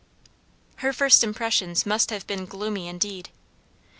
Her first impressions must have been gloomy indeed.